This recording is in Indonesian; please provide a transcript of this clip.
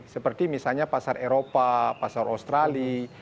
seperti misalnya pasar eropa pasar australia